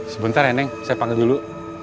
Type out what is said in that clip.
sebentar ya neng saya panggil dulu